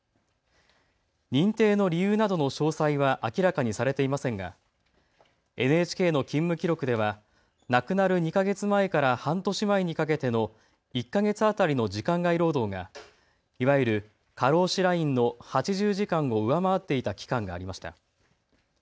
認定の理由などの詳細は明らかにされていませんがＮＨＫの勤務記録では亡くなる２か月前から半年前にかけての１か月当たりの時間外労働がいわゆる過労死ラインの８０時間を上回っていた期間がありました。